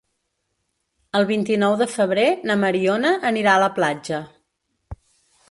El vint-i-nou de febrer na Mariona anirà a la platja.